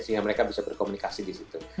sehingga mereka bisa berkomunikasi disitu